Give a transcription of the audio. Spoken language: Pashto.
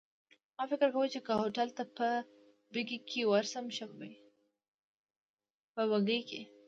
ما فکر وکړ، چي که هوټل ته په بګۍ کي ورشم ښه به وي.